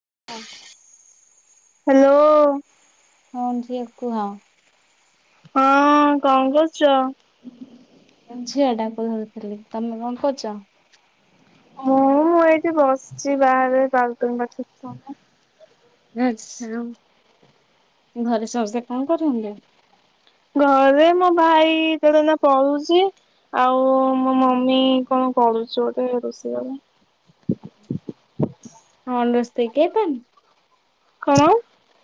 [unintelligible] Hello. ହଁ ଝିଅ କୁହ। ହଁ କଁ କରୁୁଚ। ମୁଁ ଝିଅ ଟାକୁ ଧରୁଥିଲି ତମେ କଁ କରୁଚ। ମୁଁଁ ଏଇଠି ବସିଚି ବାହାରେ ବାଲ୍କୋନି ପାଖେରେ। ଆଚ୍ଛା ଘରେ ସମସ୍ତେ କଁ କରୁଛନ୍ତି। ଘରେ ମୋ ଭାଇ ତାର ଏଇନା ପଢୁଚି। ଆଉ ମୋ ମମି କଁ କରୁଚି ଗୋଟେ ରୋଷେଇ ଘରେ। [inaudible] [unintelligible] କଣ?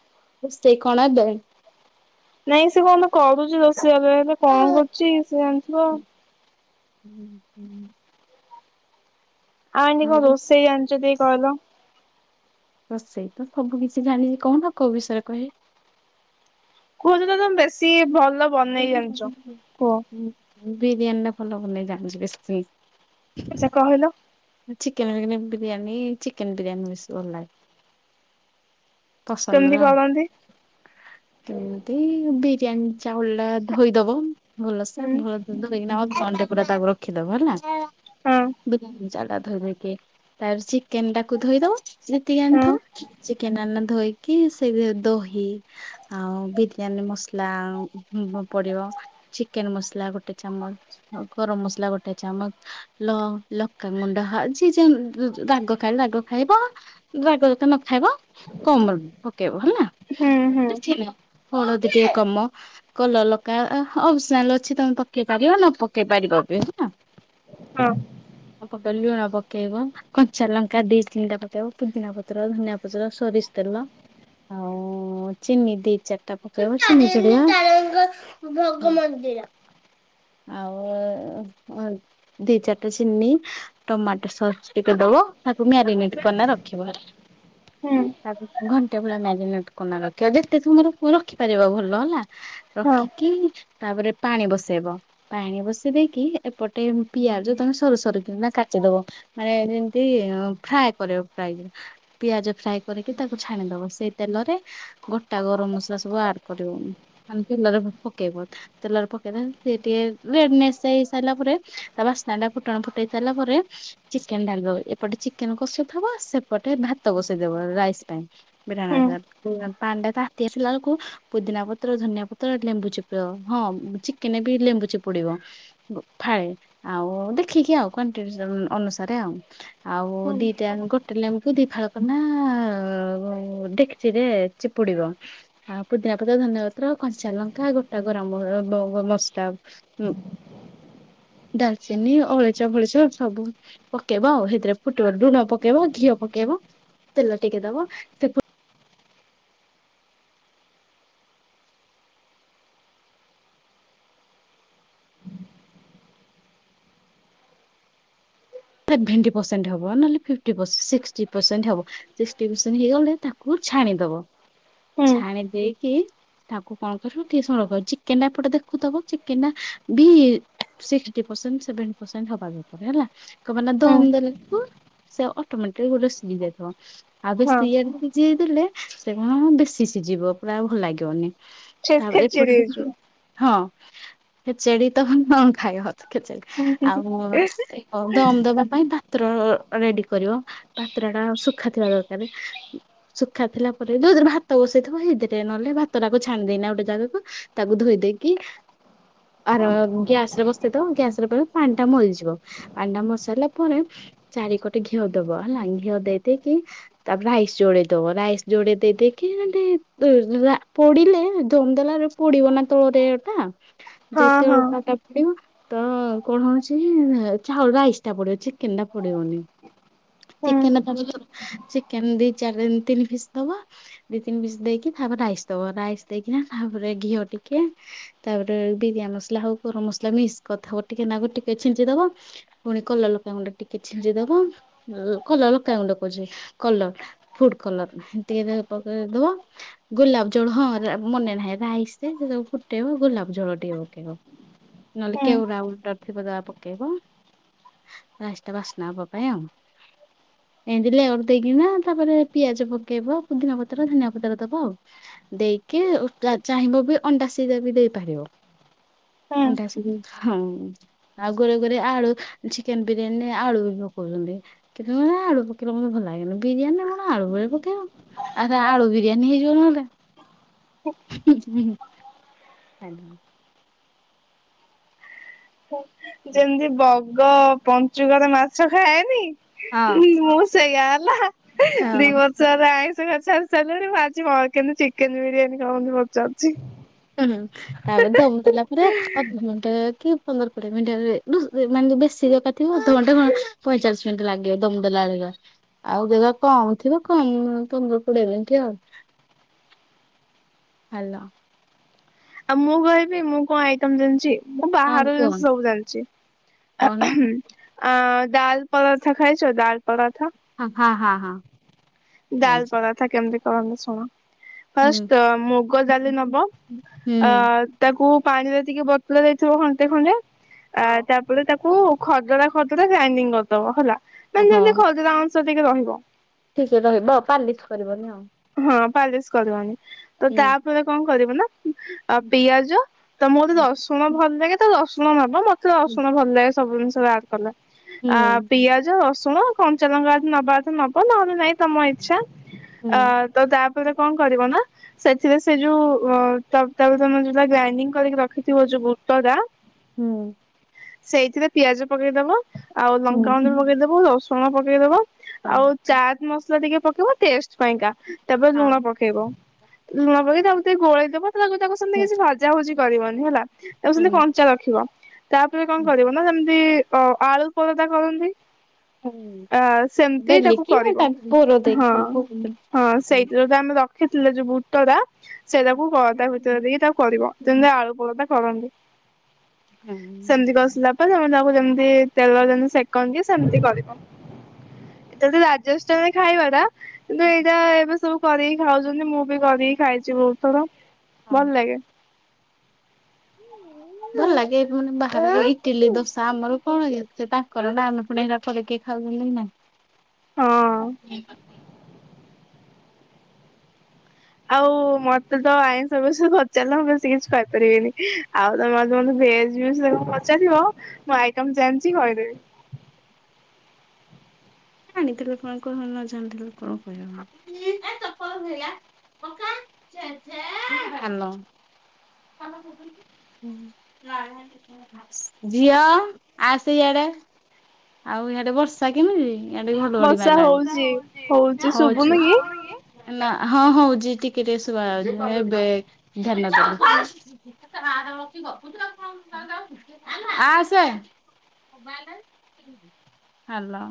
[unintelligible] ନାଇଁ ସେ କଁ ଗୋଟେ କରୁଚି ରୋଷେଇ ଘରେ ହେଲେ କଁ କରୁଚି ସେ ଜାଣିଥିବ। ହୁଁ ହୁଁ। ଆଣ୍ଟି କଁ ରୋଷେଇ ଜାଣିଚ ଟିକେ କହିଲ। ରୋଷେଇ ତ ସବୁ କିଛି ଜାଣିଚି କୋହୁନ କୋଉ ବିଷୟରେ କହିବି। କୁହ ଯୋଉଟା ତମେ ବେଶୀ ଭଲ ବନେଇ ଜାଣିଚ କୁହ। ବିରିୟାନୀ ଟା ଭଲ ବନେଇ ଜାଣିଚି ବେଶୀ। ଆଚ୍ଛା କହିଲ। ଚିକେନେ ରେ କେବେ ବିରିୟାନୀ ଚିକେନ ବିରିୟାନୀ ବେଶୀ ଭଲ ଲାଗେ। କେମିତି ପସନ୍ଦର ଆଉ କରନ୍ତି? କେମିତି ବିରିୟାନୀ। ଚାଉଳ ଟା ଧୋଇଦବ ଭଲସେ ହୁଁ ଭଲସେ ଧୋଇକିନା ଅଧଘଣ୍ଟେ ପୁରା ତାକୁ ରଖିଦବ ହେଲା। ହଁ ବିରିୟାନି ଚଉଳଟା ଧୋଇ ଧାଇକି ତାପରେ ଚିକେନଟା କୁ ଧୋଇ ଦବ। ଯେତିକି ହଁ ଆଣିଥିବ ଚିକେନ ଟା ଆନନା ଧୋଇକି ସେଇଥିରେ ଦହି ଆଉ ବିରିୟାନୀ ମସଲା ଆଉ ଲୁଣ ପଡିବ ଚିକେନ ମସଲା ଗୋଟେ ଚାମଚ ଆଉ ଗରମ ମସଲା ଗୋଟେ ଚାମଚ। ଲ ଲଙ୍କାଗୁଣ୍ଡ ହଲ୍ ଯି ଜିନ୍ ଯେ ରାଗ ଖାଏ ରାଗ ଖାଇବ ରାଗ ଯଦି ନ ଖାଇ ଖାଇବ କମ ର ପକେଇବ ହେଲା ହୁଁ ହୁଁ [unintelligible] ହଳଦୀ ଟିକେ କମ କଲର ଲଙ୍କା ଆ ହଁ ଅପ୍ସନାଲ୍ ଅଛି ତମେ ପକେଇ ପାରିବ ନ ପକେଇ ପାରିବ ବି ହେଲା। ହଁ। ଆ ପକେଇ ଲୁଣ ପକେଇବ କଞ୍ଚା ଲଙ୍କା ଦି ତିନିଟା ପକେଇବ ପୁଦିନା ପତ୍ର ଧନିଆ ପତ୍ର ସୋରି ସ ତେଲ ଆଉ ଚିନି ଦି ଚାରିଟା ପକେଇବ। [unintelligible] ଙ୍କ ଭୋଗ ମନ୍ଦିର। ଆଉ ଉଁ ଦି ଚାରିଟା ଚିନି ଟମାଟୋ ସସ୍ ଟିକେ ପ ଵ ତାକୁ ମ୍ୟାରିନେଟ କରିନା ରଖିବ ହେ ହୁଁ। ଘଣ୍ଟେ ପୁରା ମ୍ୟାରିନେଟ୍ କରନା ରଖିବ ଯେତେ ସମୟ ରଖିବ ରଖିପାରିବା ଭଲ ହେଲା। ହଁ ରଖିକି ତାପରେ ପାଣି ବସେଇବ ପାଣି ବସେଇ ଦେଇେଇକି ଏପଟେ ପିଆଜ ତମେ ସରୁ ସରୁ କିନା କାଟିଦବ। ମାନେ ଯେମତି ଫ୍ରାଏ କରିବ ପ୍ରାଇଜ ଗୁରା ପିଆଜ ଫ୍ରାଏ କରିକି ତାକୁ ଛାଣିଦବ ସେଇା ତେଲରେ ଗୋଟା ଗରମ ମସଲା ସବୁ ଆଡ କରିବ। ମାନେ ତେଲରେ ପକେଇବ ତେଲରେ ପକେଇ ସାଇ ସିଏ ଟିକେ ରେଡ୍ ନେସ ହେଇ ସାଇଲା ପରେ ତା ବାସ୍ ସ୍ନା ଟା ଫୁଟଣ ଫୁଟେଇ ସାରଲା ପରେ ଚିକେନ ଟା ଢ଼ାଳିଦବ ଏପଟେ ଚିକେନ କଷୁଥିବ ସେପଟେ ଭାତ ବସିନା ସେଇ ଦବ ରାଇସ ପାଇଁ ହୁଁ। [unintelligible] ପାଣି ଟା ତାତି ଆସିଲା ବେଳକୁ ପୁଦିନା ପତ୍ର ତ୍ର ଧନିଆ ପତ୍ର ଲେମ୍ବୁ ଚିପୁଡ଼ି ଦବ ହଁ ଚିକେନ ବି ଲେମ୍ବୁ ଚିପୁଡିବ ଫାଳେ। ଆଉ ଦେଖିକି ଆଉ କଣ୍ ଅନୁସାରେ ଆଉ ଆଉ ହୁଁ ଦିଟା ଗୋଟେ ଲ ଦି ଫାଳକ ନା ଦେଖିଚି ରେ ଚିପୁଡିବ ଆଉ ପୁଦିନା ପତ୍ର ଧନ୍ୟ କଞ୍ଚାଲଙ୍କା ଗୋଟା ଗରାମ ମସଲା ଡାଲଚିନି ଅଳେଇଛ ଫଲେଇଛ ସବୁ ପକେଇବ ଆଉ ସେଥିରେ ଫୁଟଣ ଲୁଣ ପକେଇବ ଘିଅ ପକେଇବ ତେଲ ଟିକେ ଦବ ସେ ସେଭେଣ୍ଟ ପେସେଣ୍ଟ ହବ୍ ନହେଲେ ଫିଫ୍ଟୀ ସିକ୍ଟୀ ପର୍ସେଣ୍ଟ ହେବ। ଶିଷ୍ଟୀ ପର୍ସେଣ୍ଟ ହେଇଗଲେ ଛାଣିଦବ ହୁଁ ଛାଣି ଦେଇକି ତାକୁ କଣ କରିବୁ କିଛି ସମୟ ପାଇଁ ଚିକେନ ଟା ଏପଟେ ଦେଖୁଥିବ ଚିକେନ ଟା ବି ସିକ୍ସଟି ପରସେଣ୍ଟ ସେଭେଣ୍ ପରସେଣ୍ଟ ହବା ଦରକାର ହେଲା। ମାନେ ହୁଁ ଦମ ଦେଲେ ହ ସେ ଅଟୋମେଟିକ୍ ସିଜି ଯାଇଥିବ। ଆଉ ହଁ ବେଶୀ ଇଆଡେ ସିଝେଇ ଦେଲେ ସେ କଣ ବେଶୀ ସିଝିବ ପ୍ରାୟ ଭଲ ଲାଗିବନି। ସେ ତାପରେ ଏପଟ ଖେଚେଡି ହେଇଯିବ। ହଁ। ଖେଚେଡି ତ ନ ଖାଇବ ଖେଚେଡି ଆଉ ଦମ ଦବା ପାଇଁ ପାତ୍ର ରେଡି କରିବ ପାତ୍ର ଟା ଶୁଖା ଥିବା ଦରକାର। ଶୁଖା ଥିଲା ପରେ ଯୋଉଥିରେ ଭାତ ବସେଇଥିବ ସେଇଥିରେ ନହଲେ ଭାତ ଟାକୁ ଝାନିଦେଇ ଗୋଟେ ତାକୁ ଧୋଇଦ ଦେଇକି ଆର ଗ୍ୟାସ ରେ ବସାଇ ଗ୍ୟାସରେ ପାଣି ଟା ମରିଯିବ। ପାଣି ଟା ମରିସାରିଲା ପରେ ଚାରି ପଟେ ଘିଅ ଦବ ହେଲା ଘିଅ ଦେଇ ଦେଇେଇକି ତାପରେ ରାଇସ ଯୋଡ଼ାଏ ଦବ ରାଇସ ଯୋଡ଼ାଏ ଦେଇ ଦେଇକି [unintelligible] ପୋଡ଼ିଲେ ଦୋନ୍ଦୋଲା ରୁପୋଡ଼ିବନା ତ ହଁ ହଁ। [unintelligible] ଚାଉଳ ରାଇସ୍ ଟା ପଡିବ ଚିକେନ ଟା ପଡିବନି। ହୁଁ ଚିକେନ ଚିକେନ ଦି ଚାରି ତିନି ପିସ୍ ଦବା ଦି ତିନି ପିସ୍ ଦେଇକି ତାପରେ ରାଇସ୍ ଦବ ରାଇସ୍ ଦେଇକିନା ତାପରେ ଘିଅ ଟିକେ ତାପରେ ବିରିଆ ମସଲା ହଉ ଗରମ ମସଲା ମିସ୍ କଥା ଟିକେ ନାଗୁ ଟିକେ ଛିଞ୍ଚି ଦବ। ପୁଣି କଲର୍ ଲଗା ଗୁଣ୍ଡ ଟିକେ ଛିଞ୍ଚି ଦବ କଲର ଲଙ୍କ ଗୁଣ୍ଡ କହୁଛି କଲର୍ ଫୁଡ କଲର୍ ଟିକେ ନାଗୁରୁ ପକେଇ ଦବ ଗୋଲାପ ଜଳ ହଁ ମନେ ନାହିଁ ରାଇସ୍ ରେ ସବୁ ଫୁଟେଇବ ଗୋଲାପ ଜଳ ଟେଏ ପକେଇବ ନହେଲେ ହୁଁ କେଉ ରାଉ ତା ପକେଇବ ରାସ୍ତା ବାସ୍ନା ହବ ପାଇଁ ଆଉ। ଅଜିଲି ଦେଇକିନା ତାପରେ ପିଆଜ ପକେଇବ ପୁଦିନା ପତ୍ର ଧନିଆ ପତ୍ର ଦବା ଆଉ। ଦେଇକି ଚାହିଁବ ବି ଅଣ୍ଡା ସିଜା ବି ଦେଇପାରିବ। ହୁଁ। ଅଣ୍ଡା ସିଜା ହଁ ଆଉ ଘରେ ଘରେ ଆଳୁ ଚିକେନ ବିରିୟାନୀ ଆଳୁ ବି ପକଉଛନ୍ତି କିନ୍ତୁେ ଆଳୁ ପକେଇବାକୁ ମତେ ଭଲ ଲାଗେନି ବିରିୟାନୀ କଣ ଆଳୁ ଗୁରା ପକେଇବ ଆ ଆଳୁ ବିରିୟାନୀ ହେଇଯିବ ନହେଲେ। ହାଲୋ। ଯେମିତି ବଗ ପଞ୍ଚୁକରେ ମାଛ ଖାଏନି ହଁ ମୁଁ ସେଇଆ ହେଲା ହଁ। ଦି ବର୍ଷଲା ଆଇଁଷ ଛାଡ଼ିସରିଲିନି ଆଜି କିନ୍ତୁ ଚିକେନ୍ ବିରିୟାନୀ କଥା ପଚାରୁଛି। ହୁଁ ତା ପରେ ତ ମୁ ପୁରା ଅଧଘଣ୍ଟା କି ପନ୍ଦର କୋଡିଏ ମିନିଟରେ ମାନେ ବେଶୀ କଞ୍ଚା ଥିବ ଅଧଘଣ୍ଟା ପଇଁଚାଳିଶ ମିନିଟ୍ ଲାଗିବ ଦମଦଲା ଆଳିକା ଆଉ ଯଦି କମ ଥିବ କମ ପନ୍ଦର କୋଡିଏ ମିନିଟି ଆଉ। [inaudible] [inaudible] ହାଲୋ। ଆଉ ମୁଁ କହିବି ମୁଁ କଣ ଆଇଟମ୍ ଜଣିଛି। ମୁଁ ହଁ ବାହାର କୁହ ଜିନିଷ ସବୁ ଜାଣିଛି କହୁନ ଆ ଢାଲ୍ ପରଟା ଖାଇଛ ଢାଲ୍ ପରଟା? ହଁ ହଁ ହଁ। ଢାଲ୍ ଖାଇଛି ପରଟା କେମିତି କରନ୍ତି ଶୁଣ। ହୁଁ ଫାଷ୍ଟ ମୁଗ ଡ଼ାଲି ନବ ହୁଁ ଆ ତାକୁ ପାଣିରେ ଟିକେ ବତୁରେଇ ଦେଇଥିବ ଖଟେ ଖଣ୍ଡେ ଆ ହଁ ତାପରେ ତାକୁ ଖଦଡା ଖଦଡା ଗ୍ରାଇଣ୍ଡିଙ୍ଗ କରିଦବ ହେଲା ନାଇ ଯେମତି ଖଦଡା ଅଂଶ ଟିକେ ରହିବ। ଠିକେ ରହିବ ଆଉ ପାଲିଶ୍ କରିବନି ଆଉ। ପାଲିଶ୍ କରିବନି ତ ହୁଁ ତାପରେ କଣ କରିବ ନା। ଆ ପିଆଜ ତ ମୋତେ ହୁଁ ରସୁଣ ଭଲ ଲାଗେ ତ ରସୁଣ ନବ ମତେ ହୁଁ ରସୁଣ ଭଲ ଲାଗେ। ସବୁ ଜିନିଷରେ ଆଡ଼ କଲେ ହୁଁ ଆ ପିଆଜ ର ଶୁଣ କଞ୍ଚାଲଙ୍କା ନବା କଥା ନବ ନହେଲେ ନାଇଁ। ତମ ଇଚ୍ଛା ହୁଁ ଅ ତ ତାପରେ କଣ କରିବ ନା। ସେଥିରେ ସେ ଯୋଉ ଉଁ ତା-ତାକୁ ତମ ଯୋଉଟ ଗ୍ରାଇଣ୍ଡିଙ୍ଗ କରିକି ରଖିଥିବ ଯୋଉ ବୁଟଟା ହୁଁ। ସେଇଥିରେ ପିଆଜ ପକେଇଦବା ଆଉ ଲଙ୍କାଗୁଣ୍ଡ ପକେଇଦବ ରସୁଣ ପକେଇଦବ। ଆଉ ଚାଟ ମସଲା ଟିକେ ପକେଇବ ଟେଷ୍ଟ ପାଇଁକା ତାପରେ ଲୁଣ ପକେଇବ। ଲୁଣ ପାକେଇକି ତାକୁ ଟିକେ ଗୋଳେଇ ଦବ। ତା ତାକୁ ସେମିତି କିଛି ଭଜାଭୁଜି କରିବନି ହେଲା ତାକୁ ହୁଁ ସେମିତି କଞ୍ଚା ରଖିବ। ତାପରେ କଣ ହୁଁ କରିବ ନା ଯେମିତି ଅ ଆଳୁ ପରଦା କରନ୍ତି। ହୁଁ ଆ ସେମତି ତାକୁ ବେଲିକି କରିବ। ତାକୁ ବୋର ହଁ ଦେଇକି ହଁ ସେଇଥିରେ ତ ଆମେ ରଖିଥିଲେ ଯୋଉ ବୁଟଟା ସେଇଟାକୁ ଅ ତା ଭିତରେ ଦେଇକି ତାକୁ କରିବ ଯେମିତି ଆଳୁ ପରଟା କରନ୍ତି। ଭଲ ସେମିତି କସିଲା ତମେ ତାକୁ ଯେମିତି ତେଲ ଯେମିତି ସେକନ୍ତି ସେମତି କରିବ ଏତା ରାଜସ୍ [unintelligible] ଖାଇବାଟା କିନ୍ତୁ ଏଇଟା ଏବେ ସବୁ କରି ଖାଉଛନ୍ତି ମୁଁ ବି କରିକି ଖାଇଛି ବହୁତଥର ଭଲ ଲାଗେ। ଭଲ ଲାଗେ ମାନେ ବା ଇଟିଲି ଦୋସା ଆମର କଣ ହେ ତାଙ୍କର ନା ପୁଣ କରିକି ଖାଉ [unintelligible] ହଁ ନାହିଁ। ଆଉ ମତେ ତ ଆଇନ ସବୁ ପଚାରିଲେ ମୁଁ ବେଶୀ କିଛି କହିପାରିବିନି ଆଉ ତ ମତେ ଭେଜ ବିଷୟରେ [unintelligible] ପଚାରିବ ମୁଁ ଆଇଟମ ଜାଣିଛି କହିଦେବି। ଜାଣିଥିଲେ କଣ କହିବ ନ ଜାଣିଥିଲେ କଣ କିହିବ। ଧାନ। ଝିଅ ଆସେ ଇଆଡେ। ଆଉ ହିଆଡେ ବର୍ଷା କେମିତି? ଇଆଡ଼େ ଘଡଘଡି ବର୍ଷା ହଉଛି ମାରିଲାଣି ହଉଛି। ଶୁଭୁନି କି ନା ହଁ ହଉଛି ଟିକେ ଟିକେ ଶୁବାଯାଉଛି ଏବେ ଧ୍ୟାନଦେଲି। ଆସେ ହାଲୋ।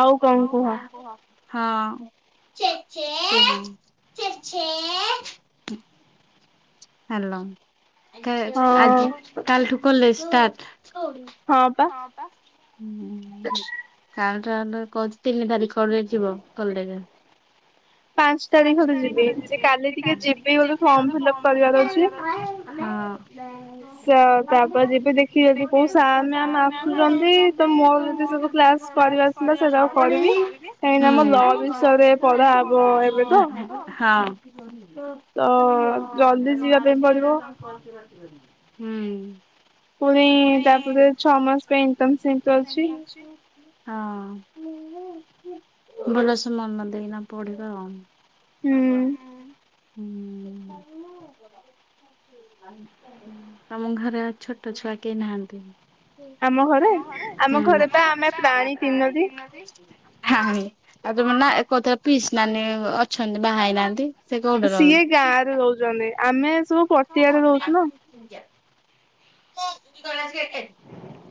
ଆଉ କଣ କୁହ ହଁ। [unintelligible] ହ୍ୟାଲୋ କା ହଁ ଆଜି କାଲଠୁ କରଲେ ଷ୍ଟାର୍ଟ। ହଁ ପା। ହୁଁ କାଲିଠୁ ହଁ କହୁଚି ତିନି ତାରିଖ ରେ ଯିବ କଲେଜ। ପାଞ୍ଚ ତାରିଖରେ ଯିବି କାଲି ଟିକେ ଯିବି ଗୋଟେ ଫର୍ମ ଫିଲଅପ କ ହଁ। ଅ ତାପରେ ଯିବି ଦେଖିବି ଯଦି କୋଉ ସାର୍ ମ୍ୟାମ ଆସୁଛନ୍ତି ତ ମୋର ଯଦି ସବୁ କ୍ଲାସ କରିବା ଆସିଲା ସେଇଟାକୁ କରିବି ହୁଁ। କାହିଁକିନା ଆମ ଲ ହଁ ବିଷୟରେ ପଢା ହବ ଏବେତ। ଜଲ୍ଦି ହଁ। ଯିବା ପାଇଁ ପଡିବ ହୁଁ। ପୁଣି ତାପରେ ଛଅ ମାସ ପାଇଁ ଇଣ୍ଟନସିପ ଅଛି। ହଁ ଭଲ ସମୟ ଦେଇନା ପଢିବା ଆଉ। ହୁଁ ହୁଁ। ତମ ଘରେ ଛୋଟ ଛୁଆ କେହି ନାହାନ୍ତି? ଆମ ଘରେ ଆମ ଘରେ ତ ଆମେ ପ୍ରାୟ ତିନୋଟି ଆଉ ତମରନା ଏକଥ ପିସ୍ ନାନି ଅଛନ୍ତି ବାହା ହେଇନାହାନ୍ତି ସେ କୋଉଠି ସିଏ ରହନ୍ତି? ଗାଁ ରେ ରହୁଛନ୍ତି। ଆମେ ସବୁ ପଟିଆରେ ରହୁଛୁ ନା।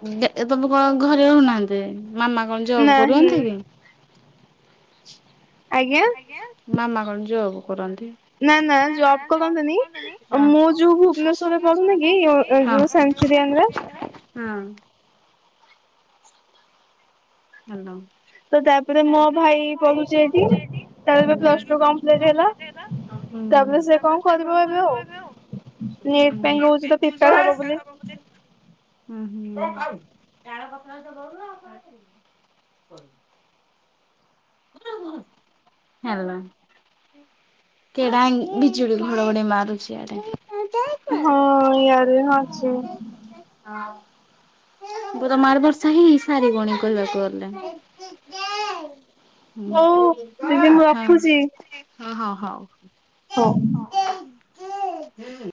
ଉ ଦେ ତମେ କଣ ଘରେ ରହୁନାହାନ୍ତି? ମାମା କଣ ଜବ ନାହିଁ କରୁଅନ୍ତି କି? ଆଜ୍ଞା? ମାମା କଣ ଜବ କରନ୍ତି? ନା ନା ଜବ କରନ୍ତନି। ହଁ। ମୁଁ ହଁ ଯୋଉ ଭୁବନେଶ୍ଵରରେ ପଢୁନି ଏ ଓ କି ହଁ ଯୋଉ ଙ୍ଗରେ ହଁ। ହଲୋ। ତ ତାପରେ ମୋ ଭାଇ ପଢୁଛି ଏଇଠି ତାର ଏବେ ପ୍ଲସ ଟୁ କମ୍ପଲିଟ ହେଲା। ତାପରେ ସେ କଣ କରିବ ଏବେ ଆଉ ହୁଁ। ନିଟ୍ ପାଇଁ କହୁଛି ତ ପ୍ରିପେୟାର ହବ ବୋଲି ହୁଁ। ହଁ ହୁଁ। ହ୍ୟାଲୋ। କେଡା ବିଜୁଡି ଘଡଘଡି ମାରୁଛି ଆଡେ? ହଁ ୟାଡେ ବି ମାରୁଛି। ମୁ କହିଲି ତମ ଆଡେ ବର୍ଷା ହେଇସରିବନି କହିଁବାକୁ ଗଲେ। ହଉ ଦିଦି ମୁଁ ହ ରଖୁଛି ହ ହଉ ହଉ ହଉ। ହଉ।